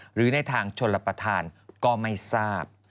หรือในทางชนรับประทานก็ไม่ทราบ